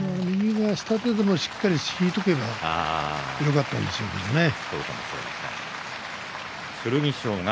下手でもしっかり引いていればよかったんですけどね。